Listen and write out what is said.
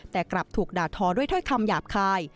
แต่กลับถูกด่าทอด้วยถ้อยคำหยาบคาย